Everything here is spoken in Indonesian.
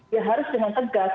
ya harus dengan tegas